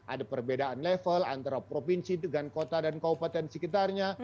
ada perbedaan level antara provinsi dengan kota dan kabupaten sekitarnya